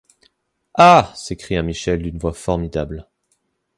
Ah! s’écria Michel d’une voix formidable.